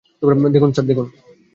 দেখুন, স্যার।